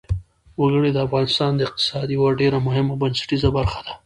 وګړي د افغانستان د اقتصاد یوه ډېره مهمه او بنسټیزه برخه ده.